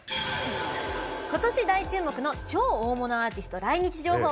ことし大注目の超大物アーティスト来日情報。